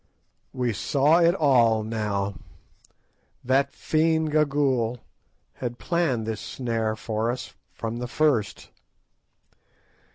We saw it all now; that fiend Gagool had planned this snare for us from the first.